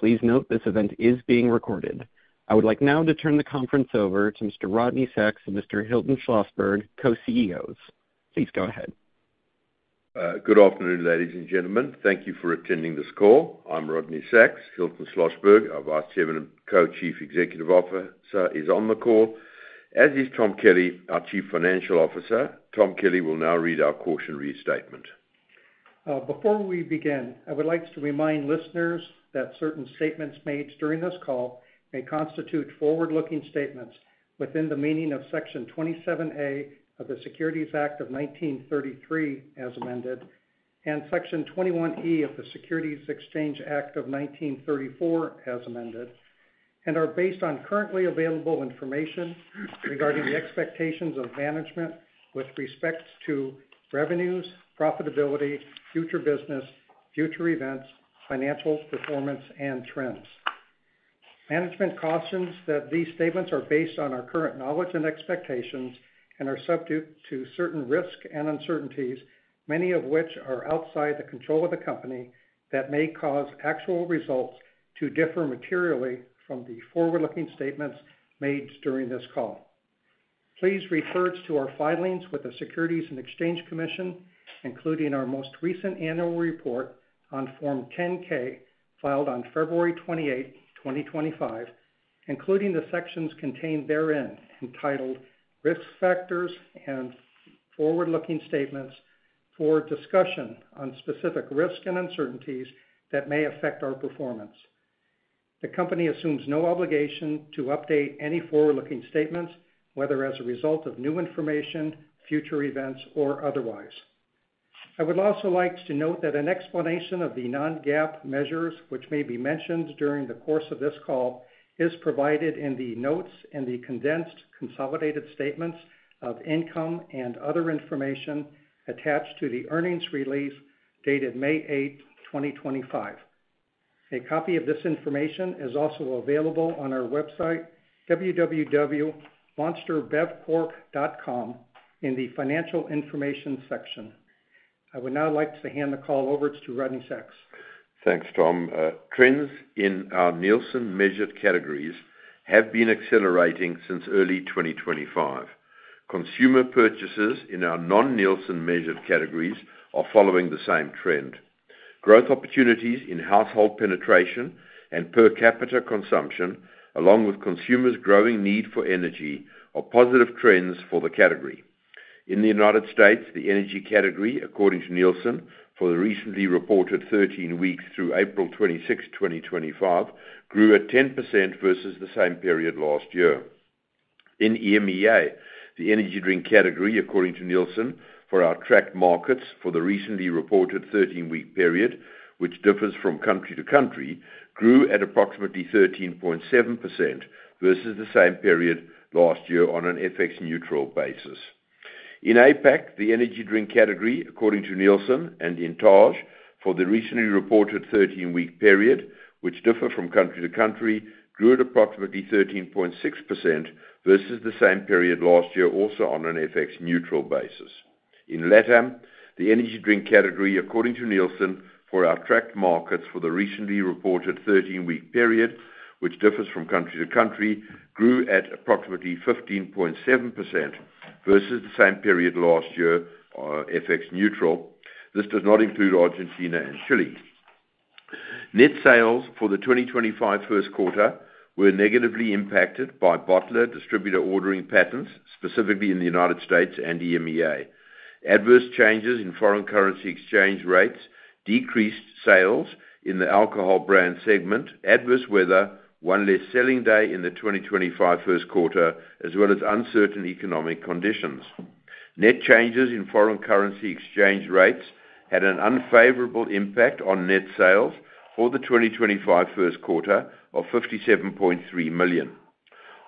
Please note this event is being recorded. I would like now to turn the conference over to Mr. Rodney Sacks and Mr. Hilton Schlosberg, co-CEOs. Please go ahead. Good afternoon, ladies and gentlemen thank you for attending this call. I'm Rodney Sacks, Hilton Schlosberg, Our Vice Chairman and Co-Chief Executive Officer is on the call. As is Tom Kelly, our Chief Financial Officer, Tom Kelly will now read our cautionary statement. Before we begin, I would like to remind listeners that certain statements made during this call may constitute forward-looking statements within the meaning of Section 27A of the Securities Act of 1933, as amended, and Section 21E of the Securities Exchange Act of 1934, as amended, and are based on currently available information regarding the expectations of management with respect to revenues, profitability, future business, future events, financial performance, and trends. Management cautions that these statements are based on our current knowledge and expectations and are subject to certain risks and uncertainties, many of which are outside the control of the company, that may cause actual results to differ materially from the forward-looking statements made during this call. Please refer to our filings with the Securities and Exchange Commission, including our most recent annual report on Form 10-K filed on February 28, 2025, including the sections contained therein entitled Risk Factors and Forward-Looking Statements for discussion on specific risks and uncertainties that may affect our performance. The company assumes no obligation to update any forward-looking statements, whether as a result of new information, future events, or otherwise. I would also like to note that an explanation of the non-GAAP measures, which may be mentioned during the course of this call, is provided in the notes and the condensed consolidated statements of income and other information attached to the earnings release dated May 8, 2025. A copy of this information is also available on our website, www.monsterbevcorp.com, in the Financial Information section. I would now like to hand the call over to Rodney Sacks. Thanks, Tom. Trends in our Nielsen measured categories have been accelerating since early 2025. Consumer purchases in our non-Nielsen measured categories are following the same trend. Growth opportunities in household penetration and per capita consumption, along with consumers' growing need for energy, are positive trends for the category. In the United States, the energy category, according to Nielsen, for the recently reported 13 weeks through April 26, 2025, grew at 10% versus the same period last year. In EMEA, the energy drink category, according to Nielsen, for our tracked markets for the recently reported 13-week period, which differs from country to country, grew at approximately 13.7% versus the same period last year on an FX-neutral basis. In APAC, the energy drink category, according to Nielsen and Intars for the recently reported 13-week period, which differ from country to country, grew at approximately 13.6% versus the same period last year, also on an FX-neutral basis. In LATAM, the energy drink category, according to Nielsen, for our tracked markets for the recently reported 13-week period, which differs from country to country, grew at approximately 15.7% versus the same period last year, FX-neutral. This does not include Argentina and Chile. Net sales for the 2025 Q1 were negatively impacted by bottler distributor ordering patterns, specifically in the United States and EMEA, adverse changes in foreign currency exchange rates, decreased sales in the alcohol brand segment, adverse weather, one less selling day in the 2025 Q1, as well as uncertain economic conditions. Net changes in foreign currency exchange rates had an unfavorable impact on net sales for the 2025 Q1 of $57.3 million.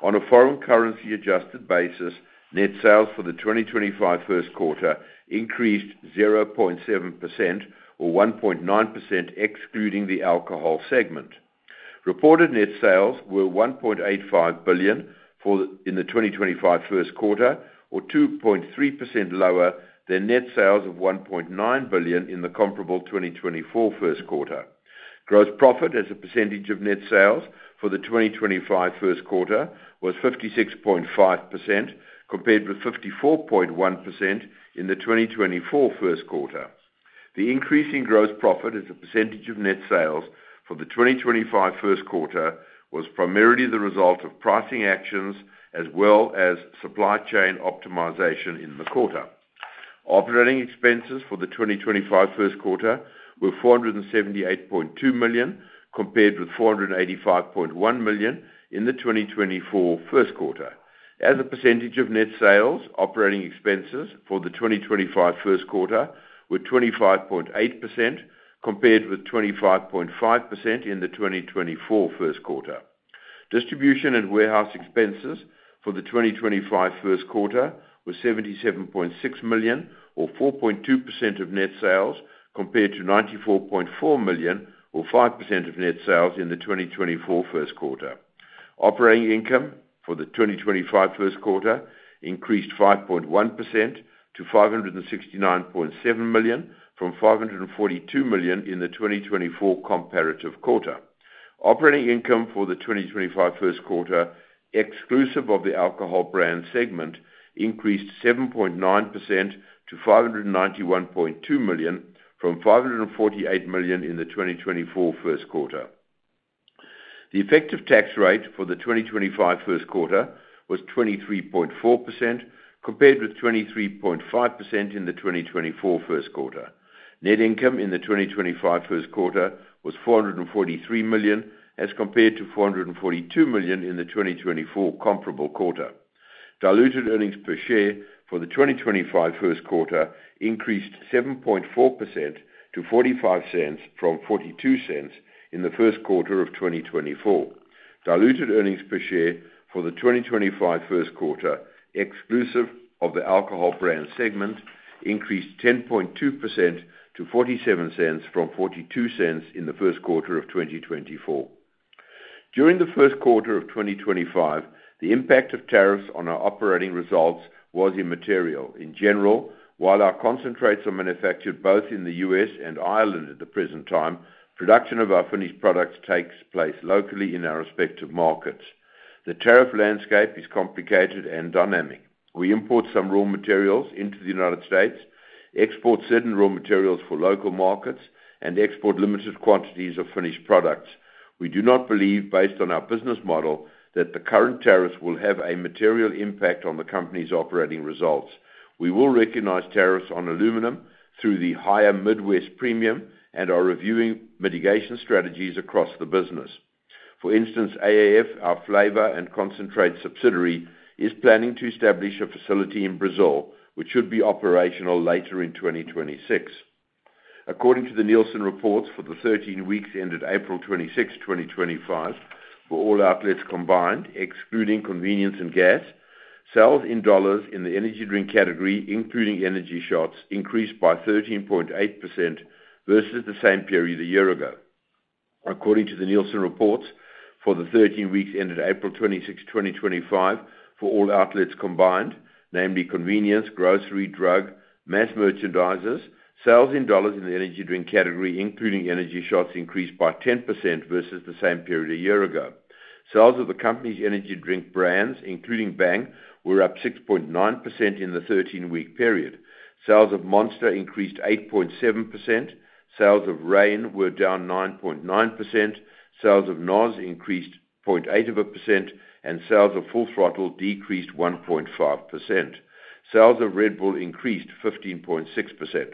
On a foreign currency-adjusted basis, net sales for the 2025 Q1 increased 0.7% or 1.9% excluding the alcohol segment. Reported net sales were $1.85 billion in the 2025 Q1, or 2.3% lower than net sales of $1.9 billion in the comparable 2024 Q1. Gross profit as a percentage of net sales for the 2025 Q1 was 56.5%, compared with 54.1% in the 2024 Q1. The increase in gross profit as a percentage of net sales for the 2025 Q1 was primarily the result of pricing actions as well as supply chain optimization in the quarter. Operating expenses for the 2025 Q1 were $478.2 million, compared with $485.1 million in the 2024 Q1. As a percentage of net sales, operating expenses for the 2025 Q1 were 25.8%, compared with 25.5% in the 2024 Q1. Distribution and warehouse expenses for the 2025 Q1 were $77.6 million, or 4.2% of net sales, compared to $94.4 million, or 5% of net sales in the 2024 Q1. Operating income for the 2025 Q1 increased 5.1% to $569.7 million, from $542 million in the 2024 comparative quarter. Operating income for the 2025 Q1, exclusive of the alcohol brand segment, increased 7.9% to $591.2 million, from $548 million in the 2024 Q1. The effective tax rate for the 2025 Q1 was 23.4%, compared with 23.5% in the 2024 Q1. Net income in the 2025 Q1 was $443 million, as compared to $442 million in the 2024 comparable quarter. Diluted earnings per share for the 2025 Q1 increased 7.4% to $0.45, from $0.42 in the Q1 of 2024. Diluted earnings per share for the 2025 Q1, exclusive of the alcohol brand segment, increased 10.2% to $0.47, from $0.42 in the Q1 of 2024. During the Q1 of 2025, the impact of tariffs on our operating results was immaterial in general, while our concentrates are manufactured both in the U.S. and Ireland at the present time, production of our finished products takes place locally in our respective markets. The tariff landscape is complicated and dynamic. We import some raw materials into the United States, export certain raw materials for local markets, and export limited quantities of finished products. We do not believe, based on our business model, that the current tariffs will have a material impact on the company's operating results. We will recognize tariffs on aluminum through the higher Midwest premium and are reviewing mitigation strategies across the business. For instance, AAF, our flavor and concentrate subsidiary, is planning to establish a facility in Brazil, which should be operational later in 2026. According to the Nielsen reports for the 13 weeks ended April 26, 2025, for all outlets combined, excluding convenience and gas, sales in dollars in the energy drink category, including energy shots, increased by 13.8% versus the same period a year ago. According to the Nielsen reports for the 13 weeks ended April 26, 2025, for all outlets combined, namely convenience, grocery, drug, mass merchandisers, sales in dollars in the energy drink category, including energy shots, increased by 10% versus the same period a year ago. Sales of the company's energy drink brands, including Bang, were up 6.9% in the 13-week period. Sales of Monster increased 8.7%. Sales of Reign were down 9.9%. Sales of NOS increased 0.8%, and sales of Full Throttle decreased 1.5%. Sales of Red Bull increased 15.6%.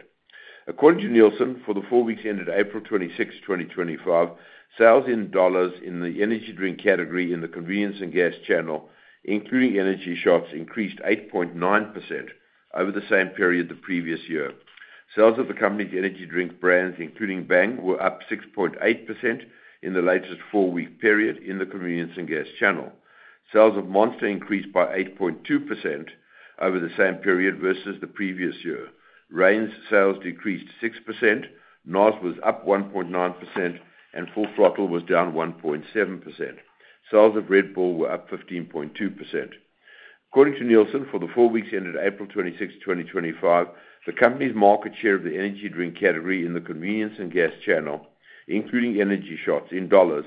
According to Nielsen, for the four weeks ended April 26, 2025, sales in dollars in the energy drink category in the convenience and gas channel, including energy shots, increased 8.9% over the same period the previous year. Sales of the company's energy drink brands, including Bang, were up 6.8% in the latest four-week period in the convenience and gas channel. Sales of Monster increased by 8.2% over the same period versus the previous year. Reign's sales decreased 6%. NOS was up 1.9%, and Full Throttle was down 1.7%. Sales of Red Bull were up 15.2%. According to Nielsen, for the four weeks ended April 26, 2025, the company's market share of the energy drink category in the convenience and gas channel, including energy shots in dollars,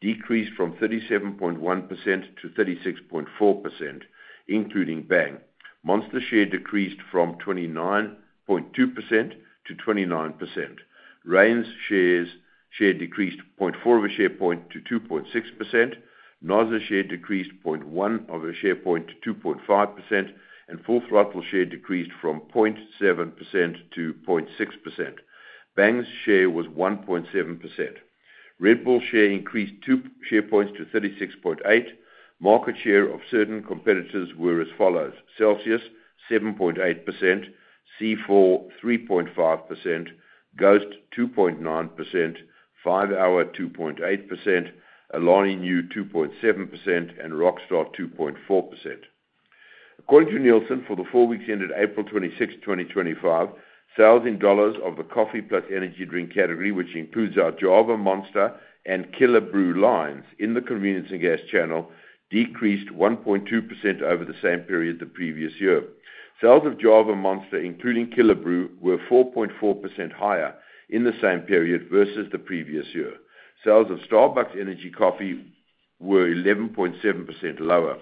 decreased from 37.1%-36.4%, including Bang. Monster's share decreased from 29.2%-29%. Reign's share decreased 0.4 of a share point to 2.6%. NOS's share decreased 0.1 of a share point to 2.5%, and Full Throttle's share decreased from 0.7%-0.6%. Bang's share was 1.7%. Red Bull's share increased two share points to 36.8%. Market share of certain competitors were as follows: Celsius 7.8%, C4 3.5%, Ghost 2.9%, 5-Hour 2.8%, Alani Nu 2.7%, and Rockstar 2.4%. According to Nielsen, for the four weeks ended April 26, 2025, sales in dollars of the coffee plus energy drink category, which includes our Java Monster and Killer Brew lines in the convenience and gas channel, decreased 1.2% over the same period the previous year. Sales of Java Monster, including Killer Brew, were 4.4% higher in the same period versus the previous year. Sales of Starbucks Energy Coffee were 11.7% lower.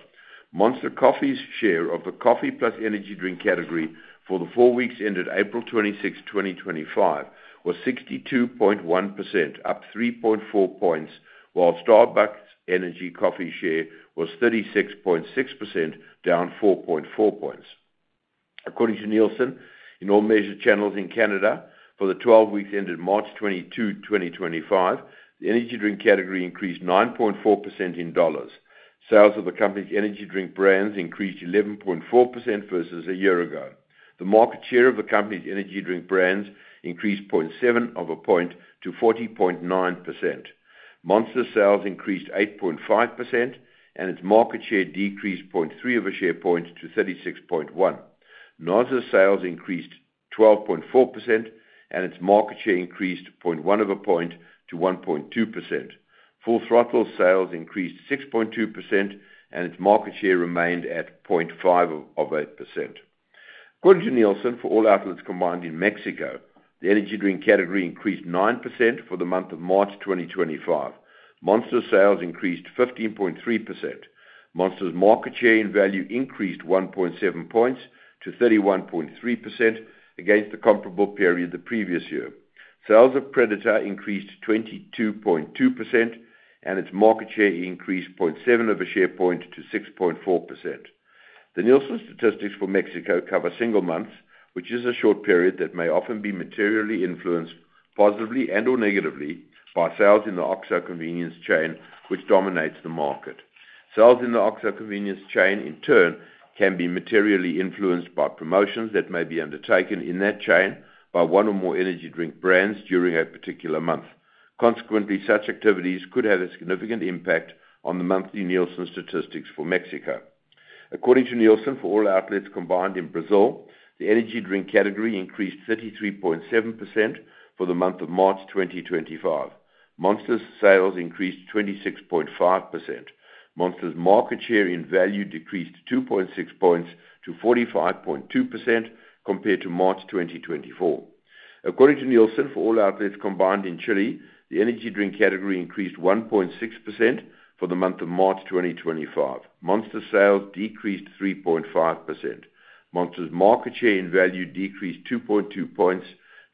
Monster Coffee's share of the coffee plus energy drink category for the four weeks ended April 26, 2025, was 62.1%, up 3.4 points, while Starbucks Energy Coffee's share was 36.6%, down 4.4 points. According to Nielsen, in all measured channels in Canada, for the 12 weeks ended March 22, 2025, the energy drink category increased 9.4% in dollars. Sales of the company's energy drink brands increased 11.4% versus a year ago. The market share of the company's energy drink brands increased 0.7 of a point to 40.9%. Monster's sales increased 8.5%, and its market share decreased 0.3 of a share point to 36.1%. NOS's sales increased 12.4%, and its market share increased 0.1 of a point to 1.2%. Full Throttle's sales increased 6.2%, and its market share remained at 0.5%. According to Nielsen, for all outlets combined in Mexico, the energy drink category increased 9% for the month of March 2025. Monster's sales increased 15.3%. Monster's market share in value increased 1.7 points to 31.3% against the comparable period the previous year. Sales of Predator increased 22.2%, and its market share increased 0.7 of a share point to 6.4%. The Nielsen statistics for Mexico cover single months, which is a short period that may often be materially influenced positively and/or negatively by sales in the Oxxo convenience chain, which dominates the market. Sales in the Oxxo convenience chain, in turn, can be materially influenced by promotions that may be undertaken in that chain by one or more energy drink brands during a particular month. Consequently, such activities could have a significant impact on the monthly Nielsen statistics for Mexico. According to Nielsen, for all outlets combined in Brazil, the energy drink category increased 33.7% for the month of March 2025. Monster's sales increased 26.5%. Monster's market share in value decreased 2.6 points to 45.2% compared to March 2024. According to Nielsen, for all outlets combined in Chile, the energy drink category increased 1.6% for the month of March 2025. Monster's sales decreased 3.5%. Monster's market share in value decreased 2.2 points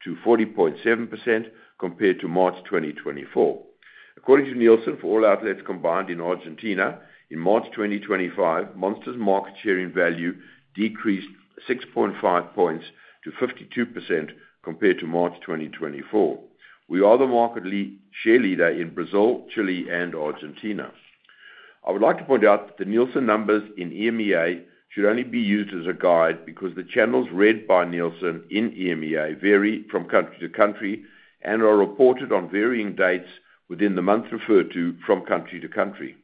to 40.7% compared to March 2024. According to Nielsen, for all outlets combined in Argentina, in March 2025, Monster's market share in value decreased 6.5 points to 52% compared to March 2024. We are the market share leader in Brazil, Chile, and Argentina. I would like to point out that the Nielsen numbers in EMEA should only be used as a guide because the channels read by Nielsen in EMEA vary from country to country and are reported on varying dates within the month referred to from country to country.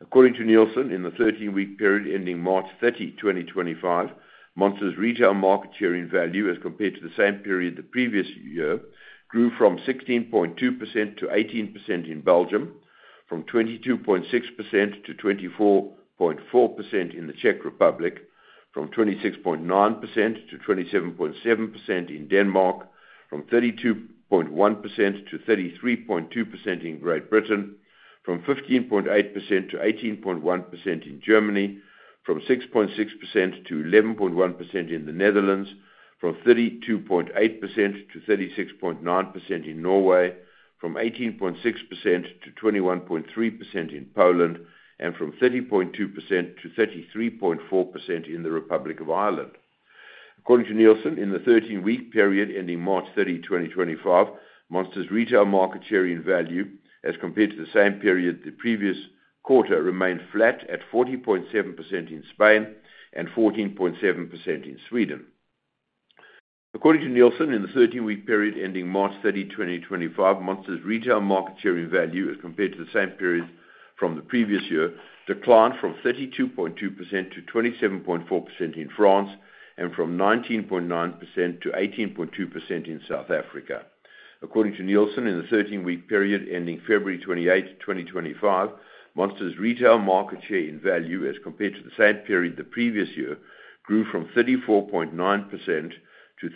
According to Nielsen, in the 13-week period ending March 30, 2025, Monster's retail market share in value, as compared to the same period the previous year, grew from 16.2%-18% in Belgium, from 22.6%-24.4% in the Czech Republic, from 26.9%-27.7% in Denmark, from 32.1%-33.2% in Great Britain, from 15.8%-18.1% in Germany, from 6.6%-11.1% in the Netherlands, from 32.8%-36.9% in Norway, from 18.6%-21.3% in Poland, and from 30.2%-33.4% in the Republic of Ireland. According to Nielsen, in the 13-week period ending March 30, 2025, Monster's retail market share in value, as compared to the same period the previous quarter, remained flat at 40.7% in Spain and 14.7% in Sweden. According to Nielsen, in the 13-week period ending March 30, 2025, Monster's retail market share in value, as compared to the same period from the previous year, declined from 32.2%-27.4% in France and from 19.9%-18.2% in South Africa. According to Nielsen, in the 13-week period ending February 28, 2025, Monster's retail market share in value, as compared to the same period the previous year, grew from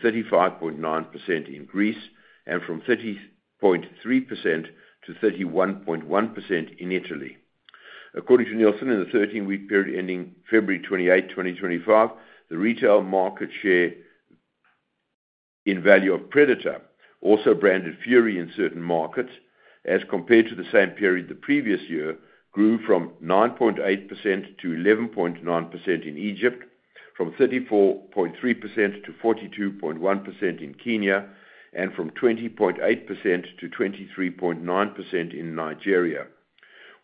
34.9%-35.9% in Greece and from 30.3%-31.1% in Italy. According to Nielsen, in the 13-week period ending February 28, 2025, the retail market share in value of Predator, also branded Fury in certain markets, as compared to the same period the previous year, grew from 9.8%-11.9% in Egypt, from 34.3%-42.1% in Kenya, and from 20.8%-23.9% in Nigeria.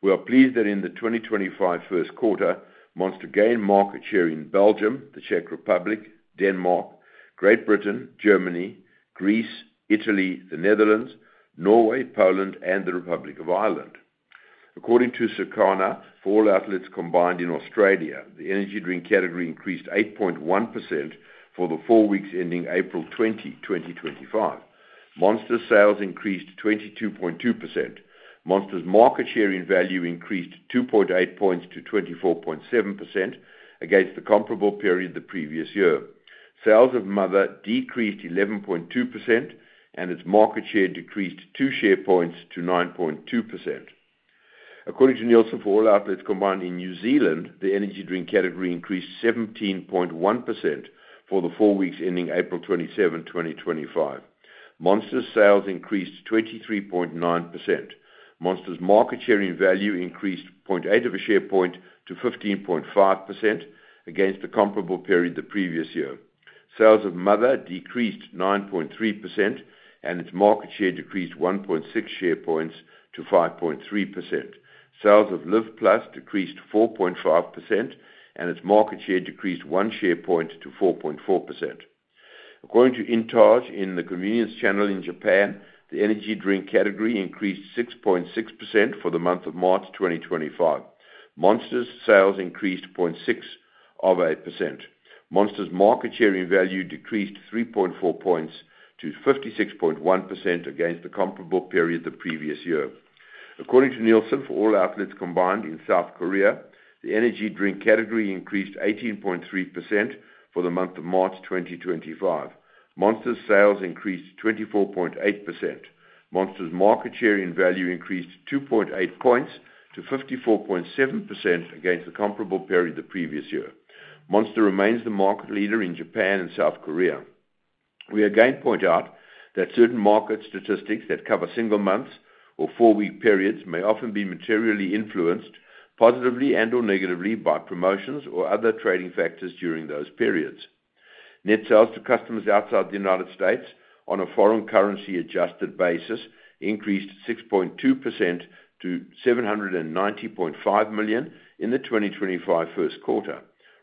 We are pleased that in the 2025 Q1, Monster gained market share in Belgium, the Czech Republic, Denmark, Great Britain, Germany, Greece, Italy, the Netherlands, Norway, Poland, and the Republic of Ireland. According to Circana, for all outlets combined in Australia, the energy drink category increased 8.1% for the four weeks ending April 20, 2025. Monster's sales increased 22.2%. Monster's market share in value increased 2.8 points to 24.7% against the comparable period the previous year. Sales of Mother decreased 11.2%, and its market share decreased 2 share points to 9.2%. According to Nielsen, for all outlets combined in New Zealand, the energy drink category increased 17.1% for the four weeks ending April 27, 2025. Monster's sales increased 23.9%. Monster's market share in value increased 0.8 of a share point to 15.5% against the comparable period the previous year. Sales of Mother decreased 9.3%, and its market share decreased 1.6 share points to 5.3%. Sales of Live+ decreased 4.5%, and its market share decreased one share point to 4.4%. According to Intage in the convenience channel in Japan, the energy drink category increased 6.6% for the month of March 2025. Monster's sales increased 0.6%. Monster's market share in value decreased 3.4 points to 56.1% against the comparable period the previous year. According to Nielsen, for all outlets combined in South Korea, the energy drink category increased 18.3% for the month of March 2025. Monster's sales increased 24.8%. Monster's market share in value increased 2.8 points to 54.7% against the comparable period the previous year. Monster remains the market leader in Japan and South Korea. We again point out that certain market statistics that cover single months or four-week periods may often be materially influenced positively and/or negatively by promotions or other trading factors during those periods. Net sales to customers outside the United States on a foreign currency-adjusted basis increased 6.2% to $790.5 million in the 2025 Q1.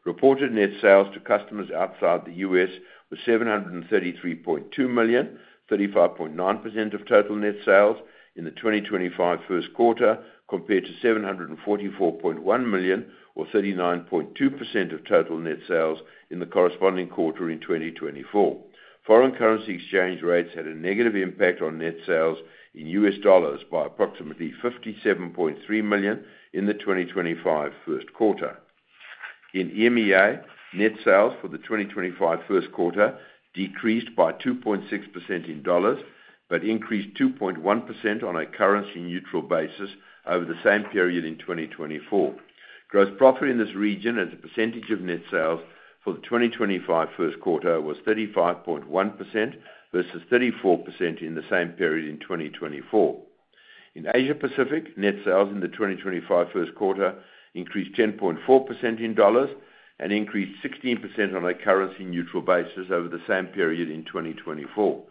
Reported net sales to customers outside the U.S. were $733.2 million, 35.9% of total net sales in the 2025 Q1, compared to $744.1 million or 39.2% of total net sales in the corresponding quarter in 2024. Foreign currency exchange rates had a negative impact on net sales in U.S. dollars by approximately $57.3 million in the 2025 Q1. In EMEA, net sales for the 2025 Q1 decreased by 2.6% in dollars but increased 2.1% on a currency-neutral basis over the same period in 2024. Gross profit in this region as a percentage of net sales for the 2025 Q1 was 35.1% versus 34% in the same period in 2024. In Asia Pacific, net sales in the 2025 Q1 increased 10.4% in dollars and increased 16% on a currency-neutral basis over the same period in 2024.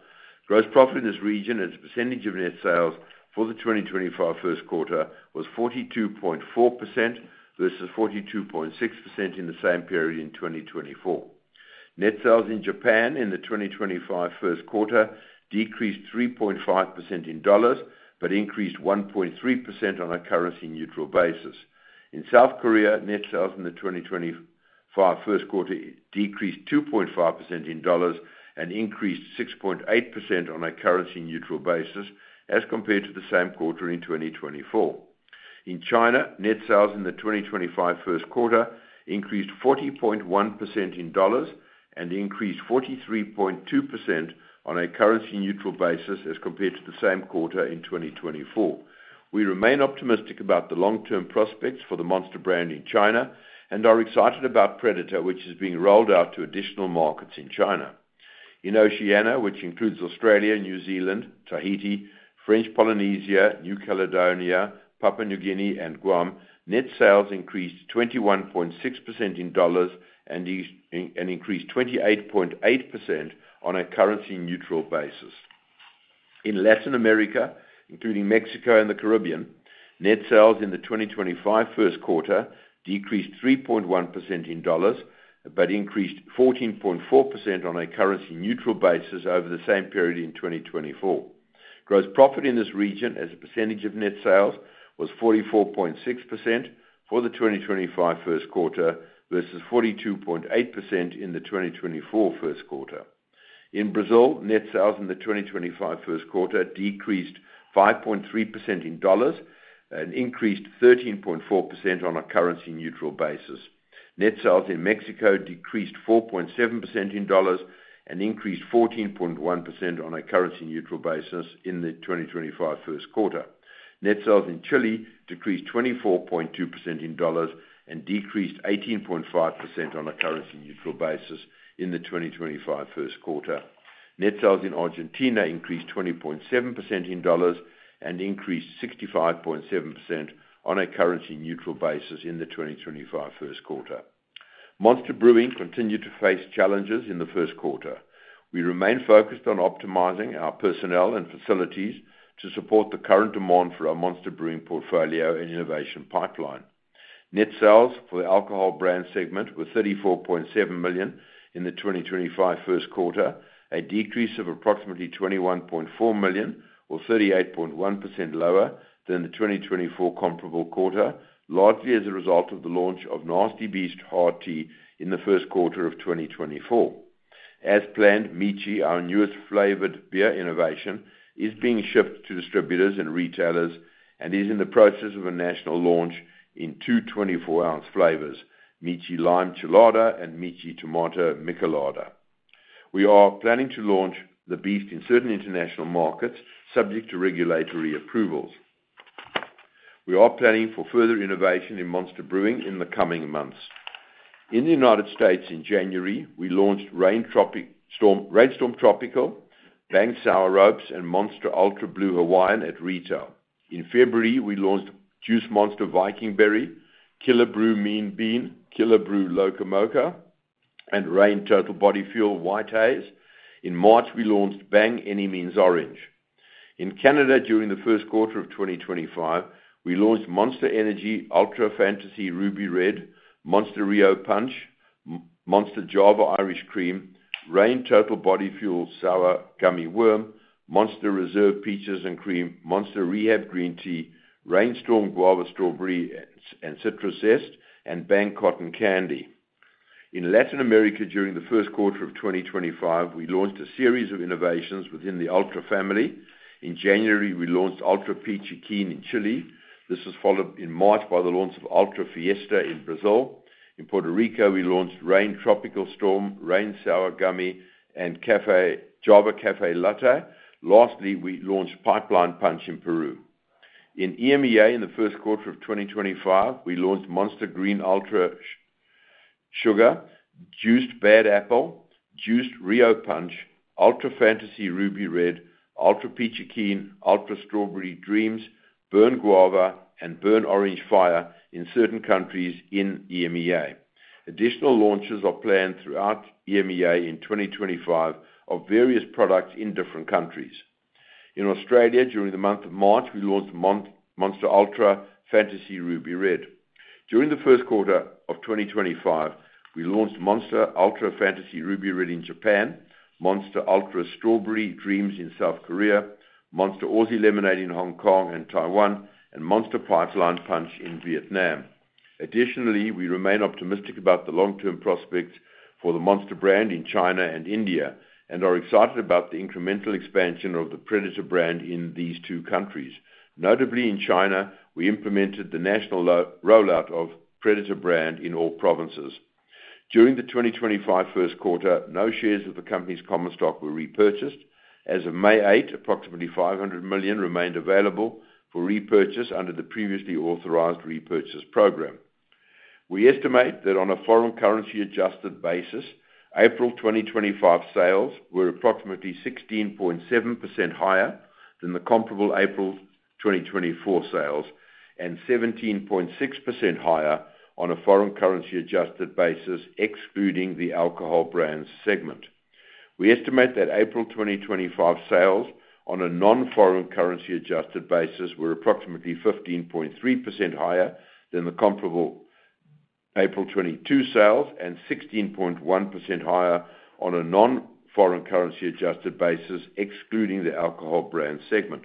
Gross profit in this region as a percentage of net sales for the 2025 Q1 was 42.4% versus 42.6% in the same period in 2024. Net sales in Japan in the 2025 Q1 decreased 3.5% in dollars but increased 1.3% on a currency-neutral basis. In South Korea, net sales in the 2025 Q1 decreased 2.5% in dollars and increased 6.8% on a currency-neutral basis as compared to the same quarter in 2024. In China, net sales in the 2025 Q1 increased 40.1% in dollars and increased 43.2% on a currency-neutral basis as compared to the same quarter in 2024. We remain optimistic about the long-term prospects for the Monster brand in China and are excited about Predator, which is being rolled out to additional markets in China. In Oceania, which includes Australia, New Zealand, Tahiti, French Polynesia, New Caledonia, Papua New Guinea, and Guam, net sales increased 21.6% in dollars and increased 28.8% on a currency-neutral basis. In Latin America, including Mexico and the Caribbean, net sales in the 2025 Q1 decreased 3.1% in dollars but increased 14.4% on a currency-neutral basis over the same period in 2024. Gross profit in this region as a percentage of net sales was 44.6% for the 2025 Q1 versus 42.8% in the 2024 Q1. In Brazil, net sales in the 2025 Q1 decreased 5.3% in dollars and increased 13.4% on a currency-neutral basis. Net sales in Mexico decreased 4.7% in dollars and increased 14.1% on a currency-neutral basis in the 2025 Q1. Net sales in Chile decreased 24.2% in dollars and decreased 18.5% on a currency-neutral basis in the 2025 Q1. Net sales in Argentina increased 20.7% in dollars and increased 65.7% on a currency-neutral basis in the 2025 Q1. Monster Brewing continued to face challenges in the Q1. We remain focused on optimizing our personnel and facilities to support the current demand for our Monster Brewing portfolio and innovation pipeline. Net sales for the alcohol brand segment were $34.7 million in the 2025 Q1, a decrease of approximately $21.4 million, or 38.1% lower than the 2024 comparable quarter, largely as a result of the launch of Nasty Beast Hard Tea in the Q1 of 2024. As planned, Michi, our newest flavored beer innovation, is being shipped to distributors and retailers and is in the process of a national launch in two 24-ounce flavors, Michi Lime Chelada and Michi Tomato Michelada. We are planning to launch The Beast in certain international markets subject to regulatory approvals. We are planning for further innovation in Monster Brewing in the coming months. In the United States, in January, we launched Reign Storm Tropical, Bang Sour Heads, and Monster Ultra Blue Hawaiian at retail. In February, we launched Juice Monster Viking Berry, Killer Brew Mean Bean, Killer Brew Loco Moca, and Reign Total Body Fuel White Haze. In March, we launched Bang Any Means Orange. In Canada, during the Q1 of 2025, we launched Monster Energy Ultra Fantasy Ruby Red, Monster Rio Punch, Monster Java Irish Cream, Reign Total Body Fuel Sour Gummy Worm, Monster Reserve Peaches and Cream, Monster Rehab Green Tea, Reign Storm Guava Strawberry and Citrus Zest, and Bang Cotton Candy. In Latin America, during the Q1 of 2025, we launched a series of innovations within the Ultra family. In January, we launched Ultra Peachy Keen in Chile. This was followed in March by the launch of Ultra Fiesta in Brazil. In Puerto Rico, we launched Reign Tropical Storm, Reign Sour Gummy, and Java Café Latte. Lastly, we launched Pipeline Punch in Peru. In EMEA, in the Q1 of 2025, we launched Monster Green Ultra Sugar, Juiced Bad Apple, Juiced Rio Punch, Ultra Fantasy Ruby Red, Ultra Peachy Keen, Ultra Strawberry Dreams, Burn Guava, and Burn Orange Fire in certain countries in EMEA. Additional launches are planned throughout EMEA in 2025 of various products in different countries. In Australia, during the month of March, we launched Monster Ultra Fantasy Ruby Red. During the Q1 of 2025, we launched Monster Ultra Fantasy Ruby Red in Japan, Monster Ultra Strawberry Dreams in South Korea, Monster Aussie Lemonade in Hong Kong and Taiwan, and Monster Pipeline Punch in Vietnam. Additionally, we remain optimistic about the long-term prospects for the Monster brand in China and India and are excited about the incremental expansion of the Predator brand in these two countries. Notably, in China, we implemented the national rollout of Predator brand in all provinces. During the 2025 Q1, no shares of the company's common stock were repurchased. As of May 8, approximately 500 million remained available for repurchase under the previously authorized repurchase program. We estimate that on a foreign currency-adjusted basis, April 2025 sales were approximately 16.7% higher than the comparable April 2024 sales and 17.6% higher on a foreign currency-adjusted basis excluding the alcohol brand segment. We estimate that April 2025 sales on a non-foreign currency-adjusted basis were approximately 15.3% higher than the comparable April 2022 sales and 16.1% higher on a non-foreign currency-adjusted basis excluding the alcohol brand segment.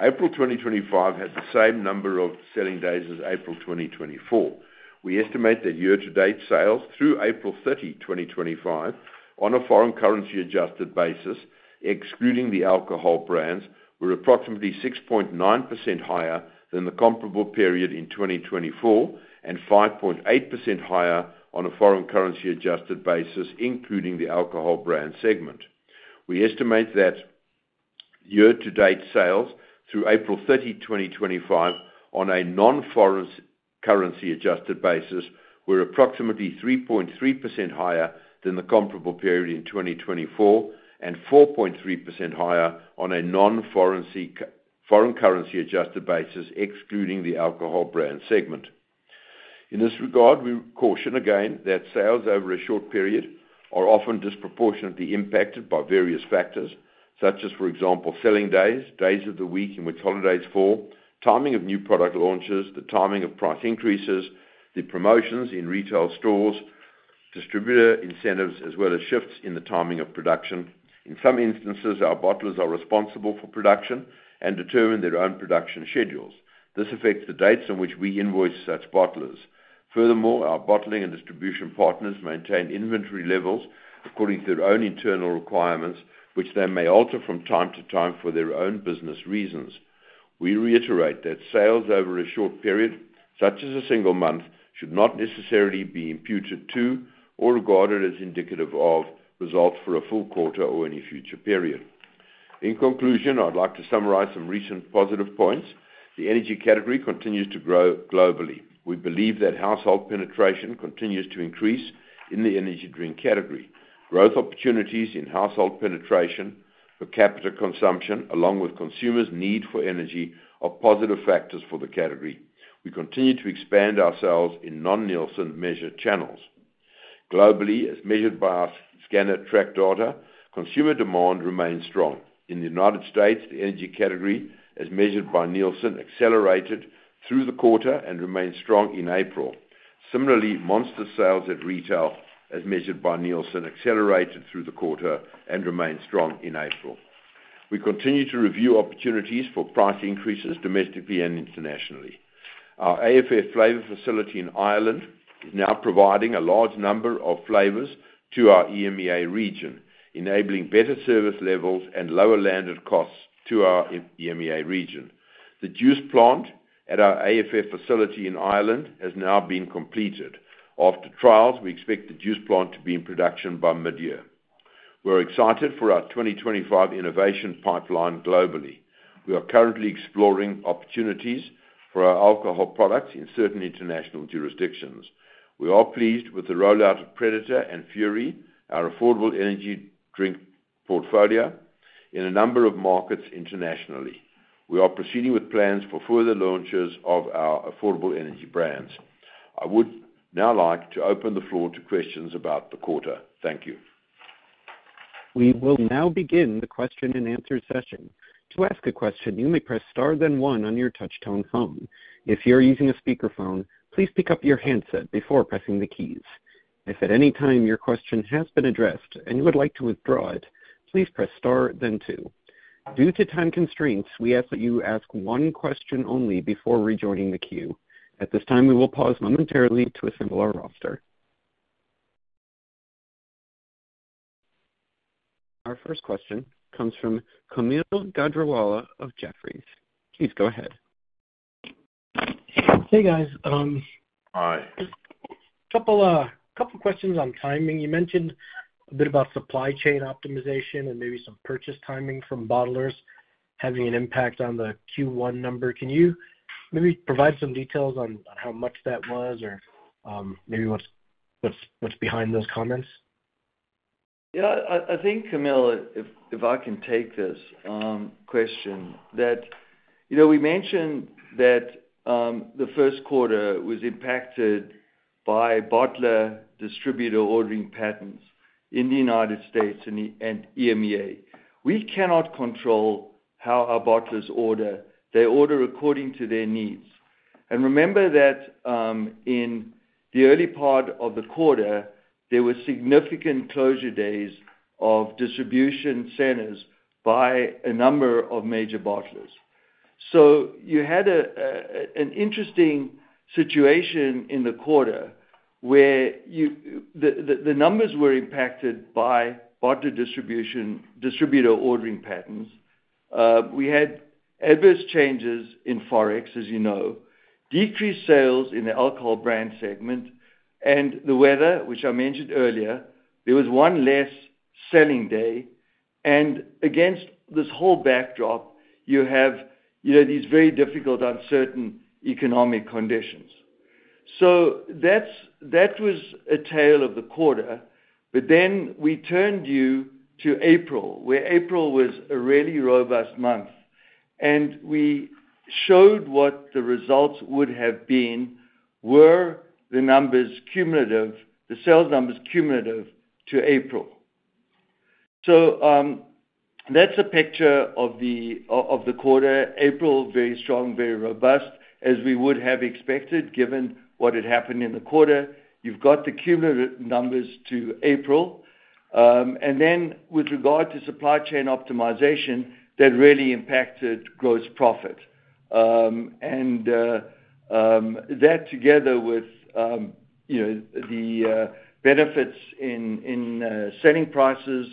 April 2025 has the same number of selling days as April 2024. We estimate that year-to-date sales through April 30, 2025, on a foreign currency-adjusted basis excluding the alcohol brands were approximately 6.9% higher than the comparable period in 2024 and 5.8% higher on a foreign currency-adjusted basis including the alcohol brand segment. We estimate that year-to-date sales through April 30, 2025, on a non-foreign currency-adjusted basis were approximately 3.3% higher than the comparable period in 2024 and 4.3% higher on a non-foreign currency-adjusted basis excluding the alcohol brand segment. In this regard, we caution again that sales over a short period are often disproportionately impacted by various factors such as, for example, selling days, days of the week in which holidays fall, timing of new product launches, the timing of price increases. The promotions in retail stores, distributor incentives, as well as shifts in the timing of productio, In some instances, our bottlers are responsible for production and determine their own production schedules. This affects the dates on which we invoice such bottlers. Furthermore, our bottling and distribution partners maintain inventory levels according to their own internal requirements, which they may alter from time to time for their own business reasons. We reiterate that sales over a short period, such as a single month, should not necessarily be imputed to or regarded as indicative of results for a full quarter or any future period. In conclusion, I'd like to summarize some recent positive points. The energy category continues to grow globally. We believe that household penetration continues to increase in the energy drink category. Growth opportunities in household penetration for capital consumption, along with consumers' need for energy, are positive factors for the category. We continue to expand our sales in non-Nielsen measure channels. Globally, as measured by our scanner track data, consumer demand remains strong. In the United States, the energy category, as measured by Nielsen, accelerated through the quarter and remained strong in April. Similarly, Monster sales at retail, as measured by Nielsen, accelerated through the quarter and remained strong in April. We continue to review opportunities for price increases domestically and internationally. Our AFF Flavor Facility in Ireland is now providing a large number of flavors to our EMEA region, enabling better service levels and lower landed costs to our EMEA region. The juice plant at our AFF Facility in Ireland has now been completed. After trials, we expect the juice plant to be in production by mid-year. We're excited for our 2025 innovation pipeline globally. We are currently exploring opportunities for our alcohol products in certain international jurisdictions. We are pleased with the rollout of Predator and Fury, our affordable energy drink portfolio, in a number of markets internationally. We are proceeding with plans for further launches of our affordable energy brands. I would now like to open the floor to questions about the quarter thank you. We will now begin the question and answer session. To ask a question, you may press star then one on your touchtone phone. If you're using a speakerphone, please pick up your handset before pressing the keys. If at any time your question has been addressed and you would like to withdraw it, please press star then two. Due to time constraints, we ask that you ask one question only before rejoining the queue. At this time, we will pause momentarily to assemble our roster. Our first question comes from Kaumil Gajrawala of Jefferies. Please go ahead. Hey, guys. Hi. A couple of questions on timing you mentioned a bit about supply chain optimization and maybe some purchase timing from bottlers having an impact on the Q1 number can you maybe provide some details on how much that was or maybe what's behind those comments? Yeah, I think, Kaumil, if I can take this question, that we mentioned that the Q1 was impacted by bottler distributor ordering patterns in the United States and EMEA. We cannot control how our bottlers order. They order according to their needs, and remember that in the early part of the quarter, there were significant closure days of distribution centers by a number of major bottlers, so you had an interesting situation in the quarter where the numbers were impacted by bottler distributor ordering patterns. We had adverse changes in forex, as you know, decreased sales in the alcohol brand segment, and the weather, which I mentioned earlier. There was one less selling day. And against this whole backdrop, you have these very difficult, uncertain economic conditions. So that was a tale of the quarter. But then we turned you to April, where April was a really robust month. And we showed what the results would have been were the numbers cumulative, the sales numbers cumulative to April. So that's a picture of the quarter. April, very strong, very robust, as we would have expected given what had happened in the quarter, You've got the cumulative numbers to April. And then with regard to supply chain optimization, that really impacted gross profit. And that, together with the benefits in selling prices,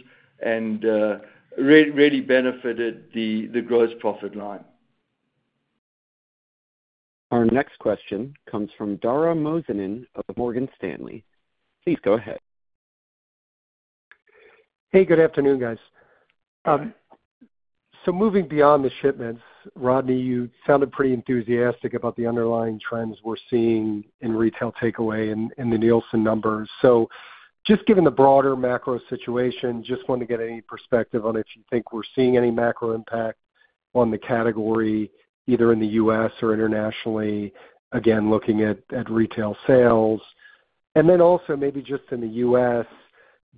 really benefited the gross profit line. Our next question comes from Dara Mohsenian of Morgan Stanley. Please go ahead. Hey, good afternoon, guys. So moving beyond the shipments, Rodney, you sounded pretty enthusiastic about the underlying trends we're seeing in retail takeaway and the Nielsen numbers so, just given the broader macro situation, just want to get any perspective on if you think we're seeing any macro impact on the category either in the U.S. or internationally, again, looking at retail sales. And then also maybe just in the U.S.,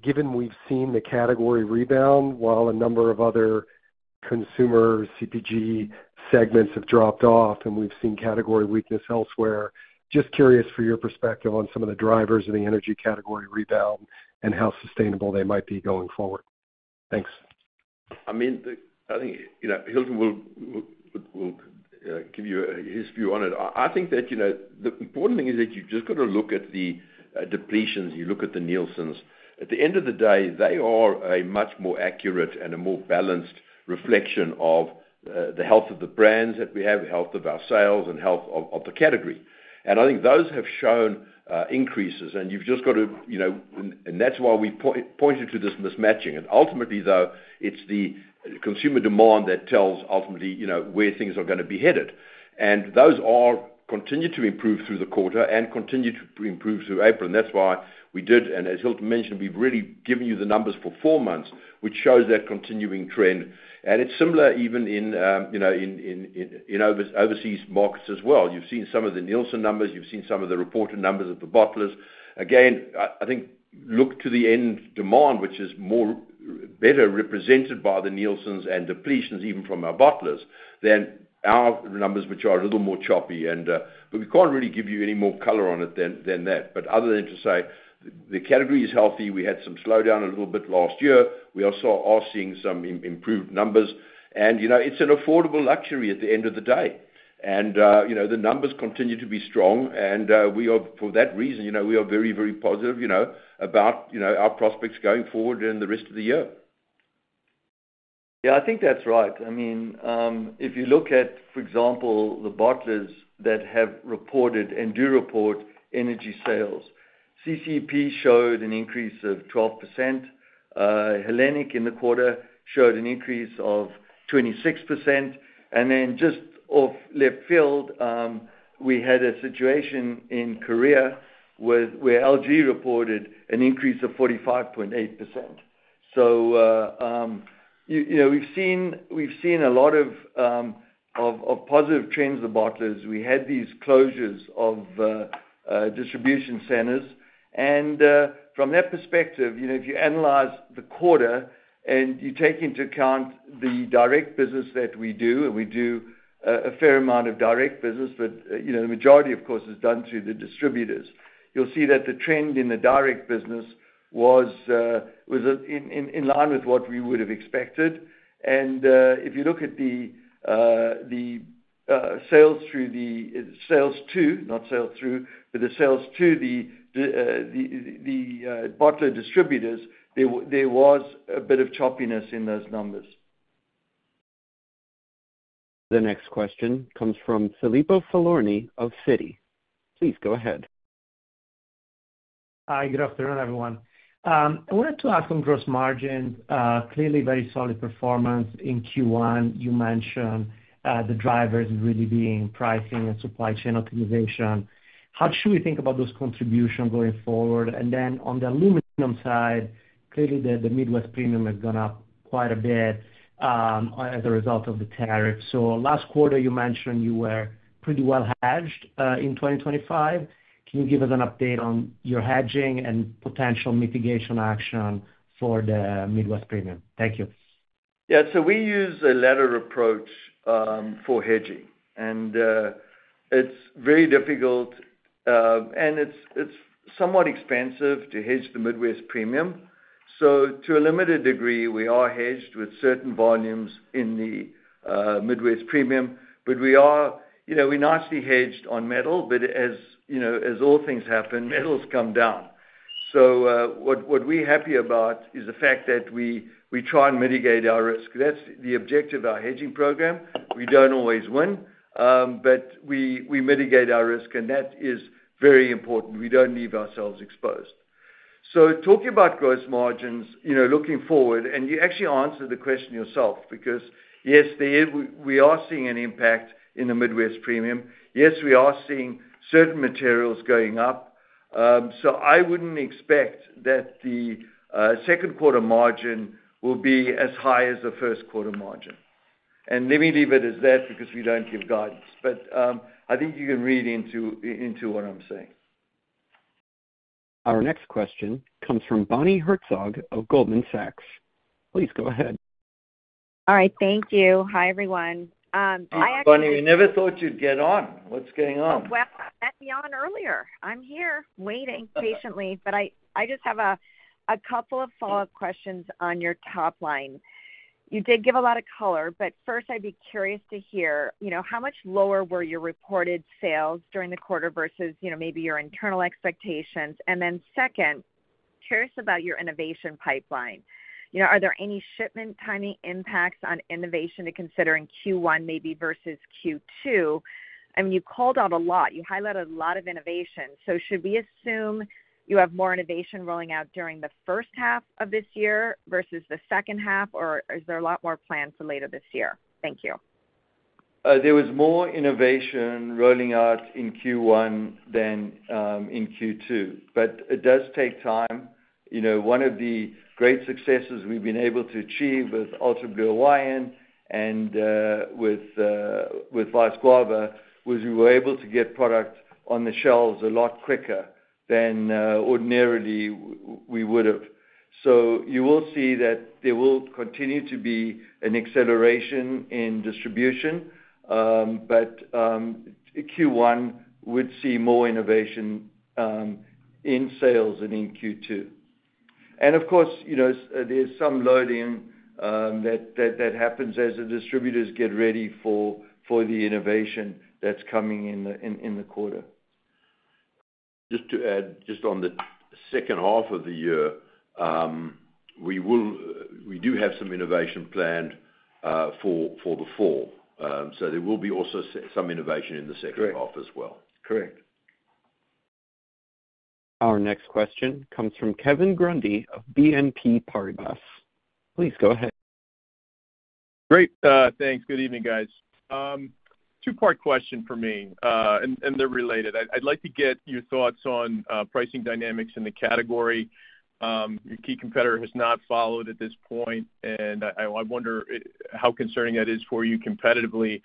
given we've seen the category rebound while a number of other consumer CPG segments have dropped off and we've seen category weakness elsewhere, just curious for your perspective on some of the drivers of the energy category rebound and how sustainable they might be going forward. Thanks. I mean, I think Hilton will give you his view on it i think that the important thing is that you've just got to look at the depletions you look at the Nielsen's. At the end of the day, they are a much more accurate and a more balanced reflection of the health of the brands that we have, the health of our sales, and health of the category. And I think those have shown increases and you've just got to, and that's why we pointed to this mismatching and ultimately, though, it's the consumer demand that tells ultimately where things are going to be headed. And those continue to improve through the quarter and continue to improve through April and that's why we did, and as Hilton mentioned, we've really given you the numbers for four months, which shows that continuing trend. And it's similar even in overseas markets as well you've seen some of the Nielsen numbers you've seen some of the reported numbers of the bottlers. Again, I think, look to the end demand, which is better represented by the Nielsen's and depletions even from our bottlers than our numbers, which are a little more choppy, But we can't really give you any more color on it than that but other than to say the category is healthy we had some slowdown a little bit last year. We are seeing some improved numbers. And it's an affordable luxury at the end of the day. And the numbers continue to be strong and for that reason, we are very, very positive about our prospects going forward and the rest of the year. Yeah, I think that's right i mean, if you look at, for example, the bottlers that have reported and do report energy sales, CCEP showed an increase of 12%. Hellenic in the quarter showed an increase of 26%. And then just out of left field, we had a situation in Korea where LG reported an increase of 45.8%. So we've seen a lot of positive trends in the bottlers we had these closures of distribution centers. And from that perspective, if you analyze the quarter and you take into account the direct business that we do, and we do a fair amount of direct business, but the majority, of course, is done through the distributors. You'll see that the trend in the direct business was in line with what we would have expected. And if you look at the sales through the sales to, not sales through, but the sales to the bottler distributors, there was a bit of choppiness in those numbers. The next question comes from Filippo Falorni of Citi. Please go ahead. Hi, good afternoon, everyone. I wanted to ask on gross margins, clearly very solid performance in Q1 you mentioned the drivers really being pricing and supply chain optimization. How should we think about those contributions going forward? And then on the aluminum side, clearly the Midwest premium has gone up quite a bit as a result of the tariff so last quarter, you mentioned you were pretty well hedged in 2025. Can you give us an update on your hedging and potential mitigation action for the Midwest premium? Thank you. Yeah, so we use a ladder approach for hedging. And it's very difficult, and it's somewhat expensive to hedge the Midwest premium. So to a limited degree, we are hedged with certain volumes in the Midwest premium. But we are nicely hedged on metal but as all things happen, metals come down. So what we're happy about is the fact that we try and mitigate our risk that's the objective of our hedging program. We don't always win, but we mitigate our risk, and that is very important. We don't leave ourselves exposed. So talking about gross margins looking forward, and you actually answered the question yourself because, yes, we are seeing an impact in the Midwest premium. Yes, we are seeing certain materials going up. So I wouldn't expect that the Q2 margin will be as high as the Q1 margin. And let me leave it as that because we don't give guidance but I think you can read into what I'm saying. Our next question comes from Bonnie Herzog of Goldman Sachs. Please go ahead. All right thank you hi, everyone. I actually, Bonnie, we never thought you'd get on. What's going on? Well, I met you on earlier. I'm here waiting patiently, but I just have a couple of follow-up questions on your top line. You did give a lot of color, but first, I'd be curious to hear how much lower were your reported sales during the quarter versus maybe your internal expectations? And then second, curious about your innovation pipeline. Are there any shipment timing impacts on innovation to consider in Q1 maybe versus Q2? I mean, you called out a lot you highlighted a lot of innovation. So should we assume you have more innovation rolling out during the first half of this year versus the second half, or is there a lot more planned for later this year? Thank you. There was more innovation rolling out in Q1 than in Q2, but it does take time. One of the great successes we've been able to achieve with Ultra Blue Hawaiian and with Vice Guava was we were able to get product on the shelves a lot quicker than ordinarily we would have, so you will see that there will continue to be an acceleration in distribution, but Q1 would see more innovation in sales than in Q2, and of course, there's some loading that happens as the distributors get ready for the innovation that's coming in the quarter. Just to add, just on the second half of the year, we do have some innovation planned for the fall, so there will be also some innovation in the second half as well. Correct. Correct. Our next question comes from Kevin Grundy of BNP Paribas. Please go ahead. Great. Thanks. Good evening, guys. Two-part question for me, and they're related i'd like to get your thoughts on pricing dynamics in the category. Your key competitor has not followed at this point, and I wonder how concerning that is for you competitively.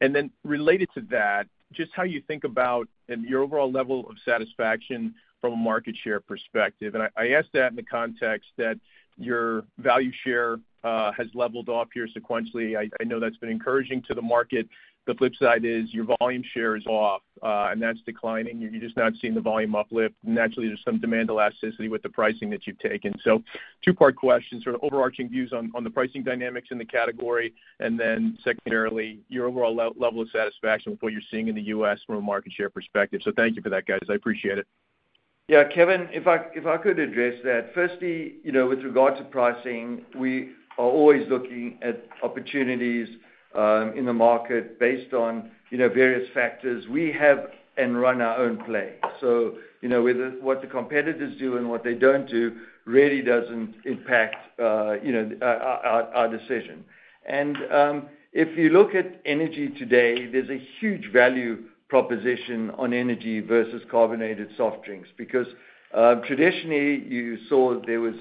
And then related to that, just how you think about your overall level of satisfaction from a market share perspective and I ask that in the context that your value share has leveled off here sequentially i know that's been encouraging to the market. The flip side is your volume share is off, and that's declining you're just not seeing the volume uplift naturally, there's some demand elasticity with the pricing that you've taken so, two-part questions, sort of overarching views on the pricing dynamics in the category, and then secondarily, your overall level of satisfaction with what you're seeing in the U.S. from a market share perspective so thank you for that, guys i appreciate it. Yeah, Kevin, if I could address that firstly, with regard to pricing, we are always looking at opportunities in the market based on various factors we have and run our own plan. So what the competitors do and what they don't do really doesn't impact our decision. And if you look at energy today, there's a huge value proposition on energy versus carbonated soft drinks because traditionally, you saw there was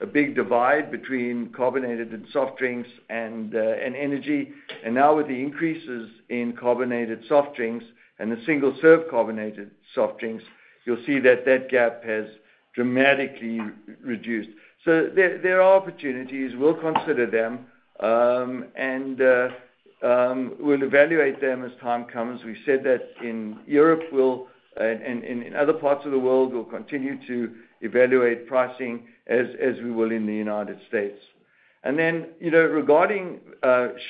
a big divide between carbonated and soft drinks and energy. And now with the increases in carbonated soft drinks and the single-serve carbonated soft drinks, you'll see that that gap has dramatically reduced. So there are opportunities we'll consider them and we'll evaluate them as time comes we said that in Europe and in other parts of the world, we'll continue to evaluate pricing as we will in the United States. And then regarding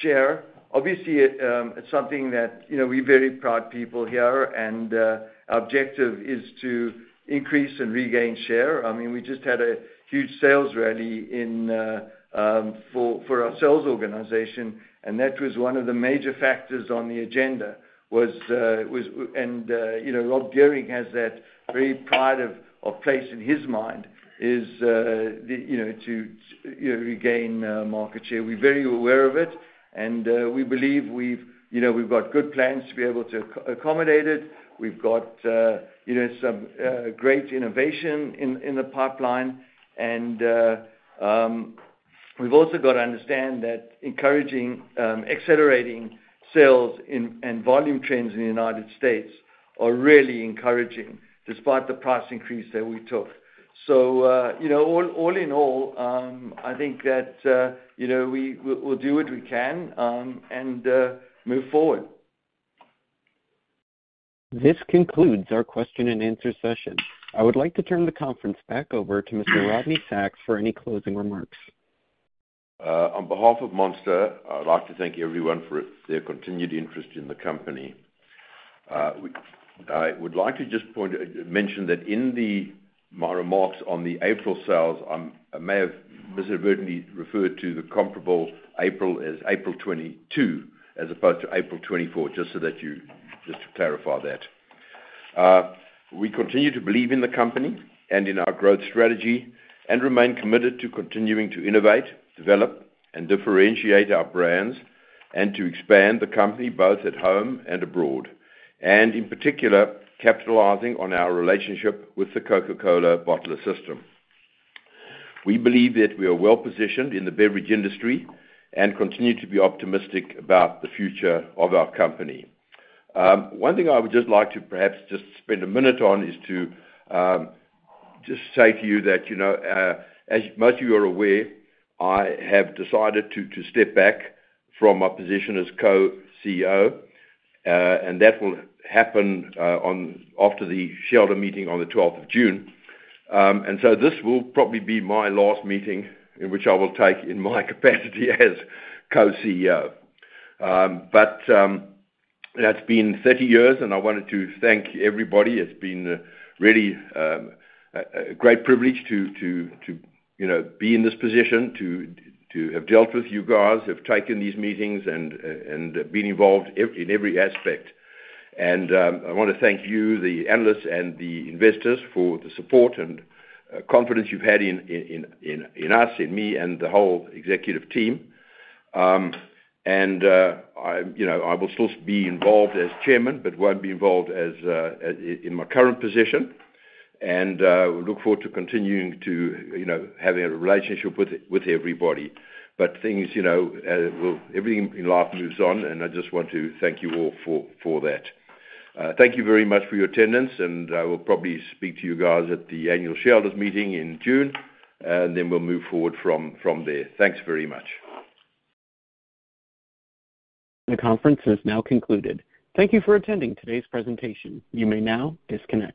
share, obviously, it's something that we're very proud people here, and our objective is to increase and regain share i mean, we just had a huge sales rally for our sales organization, and that was one of the major factors on the agenda. And Rob Gehring has that very pride of place in his mind is to regain market share we're very aware of it. And we believe we've got good plans to be able to accommodate it, We've got some great innovation in the pipeline, and we've also got to understand that accelerating sales and volume trends in the United States are really encouraging despite the price increase that we took. So all in all, I think that we'll do what we can and move forward. This concludes our question and answer session. I would like to turn the conference back over to Mr. Rodney Sacks for any closing remarks. On behalf of Monster, I'd like to thank everyone for their continued interest in the company. I would like to just mention that in the remarks on the April sales, I may have inadvertently referred to the comparable April as April 2022 as opposed to April 2024, just to clarify that. We continue to believe in the company and in our growth strategy and remain committed to continuing to innovate, develop, and differentiate our brands and to expand the company both at home and abroad, and in particular, capitalizing on our relationship with the Coca-Cola bottler system. We believe that we are well positioned in the beverage industry and continue to be optimistic about the future of our company. One thing I would just like to perhaps just spend a minute on is to just say to you that, as most of you are aware, I have decided to step back from my position as co-CEO, and that will happen after the shareholder meeting on the 12th of June, and so this will probably be my last meeting in which I will participate in my capacity as co-CEO. But it's been 30 years, and I wanted to thank everybody it's been really a great privilege to be in this position, to have dealt with you guys, have taken these meetings, and been involved in every aspect, and I want to thank you, the analysts and the investors, for the support and confidence you've had in us, in me, and the whole executive team, and I will still be involved as chairman, but won't be involved in my current position. We look forward to continuing to have a relationship with everybody. Everything in life moves on, and I just want to thank you all for that. Thank you very much for your attendance, and I will probably speak to you guys at the annual shareholders meeting in June, and then we'll move forward from there thanks very much. The conference is now concluded. Thank you for attending today's presentation. You may now disconnect.